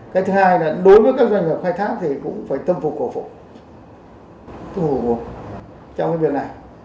cái thứ hai là đối với các doanh nghiệp khai thác thì cũng phải tâm phục khổ phục tâm phục khổ phục trong cái việc này